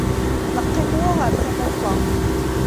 Neqqim wa ɣer tama n wa.